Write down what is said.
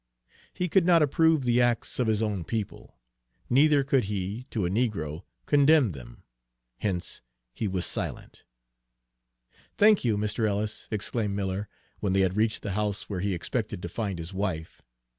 He could not approve the acts of his own people; neither could he, to a negro, condemn them. Hence he was silent. "Thank you, Mr. Ellis," exclaimed Miller, when they had reached the house where he expected to find his wife.